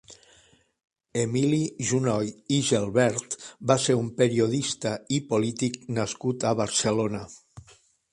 Emili Junoy i Gelbert va ser un periodista i polític nascut a Barcelona.